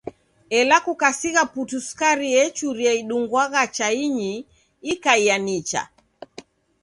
Ela kukasigha putu sukari echuria idungwagha chainyi ikaiaa nicha.